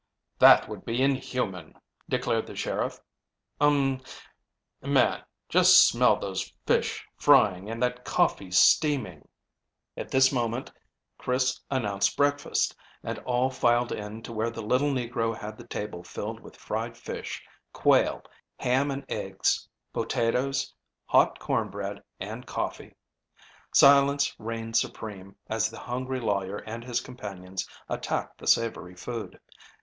"That would be inhuman," declared the sheriff. "Um, man, just smell those fish frying and that coffee steaming." At this moment Chris announced breakfast and all filed in to where the little negro had the table filled with fried fish, quail, ham and eggs, potatoes, hot corn bread and coffee. Silence reigned supreme as the hungry lawyer and his companions attacked the savory food.